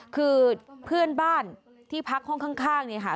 คือเพื่อนบ้านที่พักห้องข้างเนี่ยค่ะ